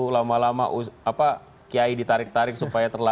lama lama kiai ditarik tarik supaya terlalu lama